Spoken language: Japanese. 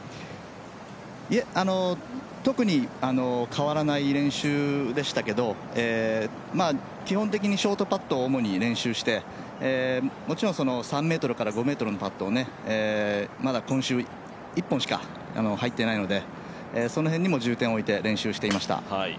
特に変わらない練習でしたけれども、基本的にショートパットを主に練習して、もちろん３ｍから５ｍのパットが今週はまだ１本しか入っていないので、その辺にも重点を置いて練習していました。